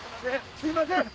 すいません！